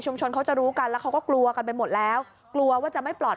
พ่อมีแน่รู้สึกแต่ว่าบ้านอยู่ไหนเราก็มีรู้